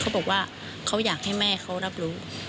เขาบอกว่าเขาอยากให้แม่เขารับรู้